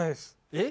えっ？